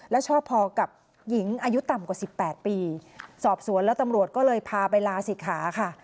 แล้วชอบพอกับหญิงอายุต่ำกว่าสิบแปดปีสอบสวนแล้วตำรวจก็เลยพาไปลาศิกขาค่ะ